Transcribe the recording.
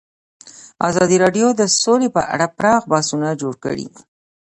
ازادي راډیو د سوله په اړه پراخ بحثونه جوړ کړي.